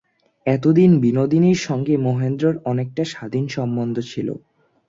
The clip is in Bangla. এতদিন বিনোদিনীর সঙ্গে মহেন্দ্রের অনেকটা স্বাধীন সম্বন্ধ ছিল।